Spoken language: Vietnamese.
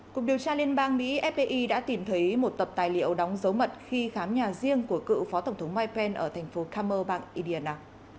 cùng điều tra liên bang mỹ fbi đã tìm thấy một tập tài liệu đóng dấu mật khi khám nhà riêng của cựu phó tổng thống mike pence ở thành phố camel bang indiana